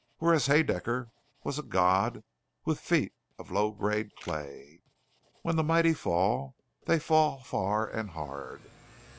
Whereas Haedaecker was a god with feet of low grade clay. When the mighty fall, they fall far and hard.